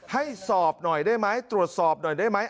ให้สอบหน่อยได้ไหมตรวจสอบหน่อยได้ไหม